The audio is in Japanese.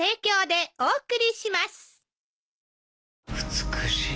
美しい。